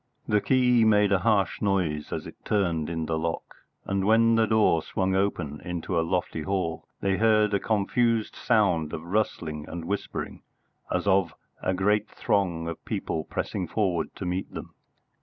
The key made a harsh noise as it turned in the lock, and when the door swung open into a lofty hall they heard a confused sound of rustling and whispering, as of a great throng of people pressing forward to meet them.